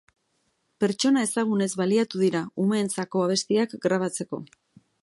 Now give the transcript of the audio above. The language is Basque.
Pertsona ezagunez baliatu dira umeentzako abestiak grabatzeko.